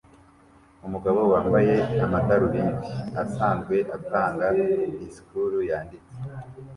Umugabo wambaye amadarubindi asanzwe atanga disikuru yanditse